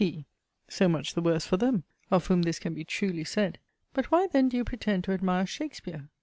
P. So much the worse for them, of whom this can be truly said! But why then do you pretend to admire Shakespeare?